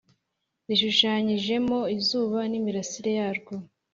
Rishushanyijwemo izuba n’imirasire yaryo